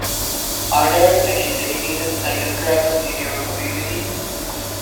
Are there any dedicated cycle tracks in your community?